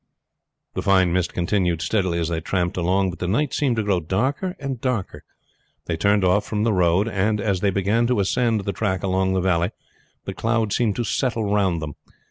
The fine mist continued steadily as they tramped along; but the night seemed to grow darker and darker. They turned off from the road; and as they began to ascend the track along the valley the cloud seemed to settle round them.